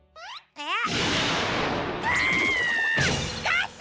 えっ？